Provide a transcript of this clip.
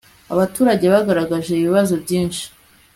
abaturage bagaragaje ibibazo byinshi